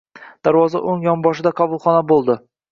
Darvoza o‘ng yonboshida qabulxona bo‘ldi.